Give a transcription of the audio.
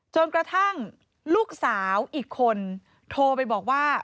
จนกระทั่งลูกสาวอีกคนโทรไปบอกว่า